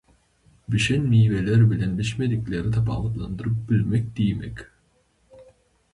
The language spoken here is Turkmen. Bişen miweler bilen bişmedikleri tapawutlandyryp bilmek diýmek.